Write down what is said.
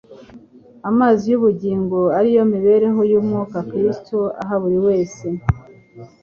Amazi y’ubugingo, ari yo mibereho y’umwuka Kristo aha buri wese